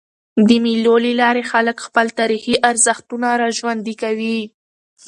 د مېلو له لاري خلک خپل تاریخي ارزښتونه راژوندي کوي.